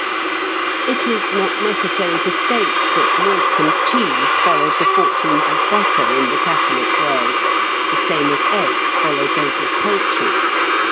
] It is not necessary to state that milk and cheese followed the fortunes of butter in the Catholic world, the same as eggs followed those of poultry.